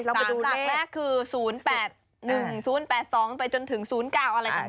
ไปดูจากแรกคือ๐๘๑๐๘๒ไปจนถึง๐๙อะไรต่าง